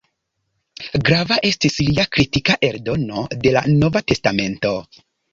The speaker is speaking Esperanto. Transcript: Grava estis lia kritika eldono de la "Nova Testamento".